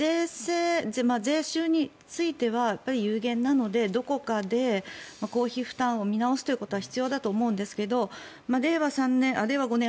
税収については有限なのでどこかで公費負担を見直すことは必要だと思うんですけど令和５年３月３１日